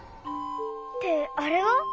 ってあれは？